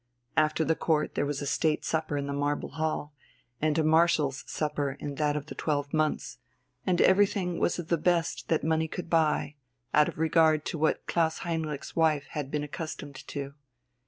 After the Court there was a State supper in the Marble Hall, and a Marshal's supper in that of the Twelve Months, and everything was of the best that money could buy, out of regard to what Klaus Heinrich's wife had been accustomed to.